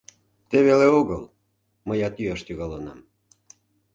Те веле огыл, мыят йӱаш тӱҥалынам...